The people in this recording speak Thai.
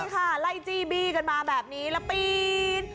ใช่ค่ะไล่จี้บี้กันมาแบบนี้แล้วปีน